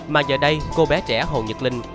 mà giờ đây cô bé trẻ hồ nhật linh